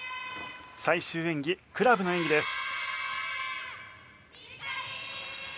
最終演技クラブの演技です。